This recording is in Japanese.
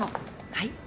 はい？